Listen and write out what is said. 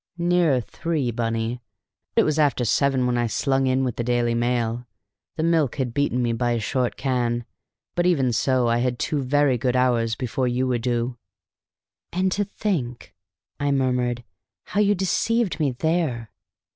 "Nearer three, Bunny. It was after seven when I slung in with the Daily Mail. The milk had beaten me by a short can. But even so I had two very good hours before you were due." "And to think," I murmured, "how you deceived me there!"